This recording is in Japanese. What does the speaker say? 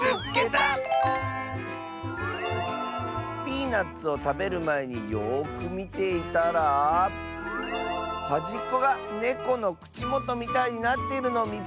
「ピーナツをたべるまえによくみていたらはじっこがネコのくちもとみたいになっているのをみつけた！」。